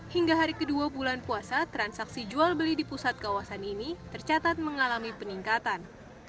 hingga hari kedua bulan puasa transaksi jual beli di pusat kawasan ini tercatat mengalami peningkatan